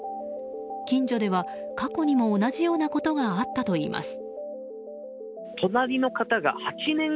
近所では過去にも同じようなことがあったといいます。